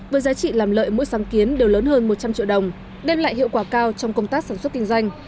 với giá trị làm lợi mỗi sáng kiến đều lớn hơn một trăm linh triệu đồng đem lại hiệu quả cao trong công tác sản xuất kinh doanh